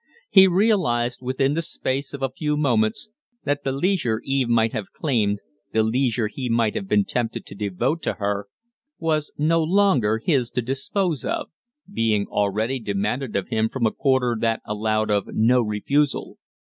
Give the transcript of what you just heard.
He realized within the space of a few moments that the leisure Eve might have claimed, the leisure he might have been tempted to devote to her, was no longer his to dispose of being already demanded of him from a quarter that allowed of no refusal.